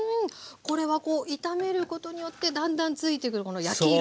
これは炒めることによってだんだんついてくるこの焼き色。